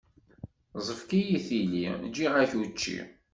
Ẓefk-iyi tili, ǧǧiɣ-ak učči!